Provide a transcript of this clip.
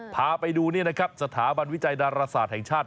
พาไปดูนี่นะครับสถาบันวิจัยดาราศาสตร์แห่งชาติ